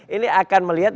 ini akan melihat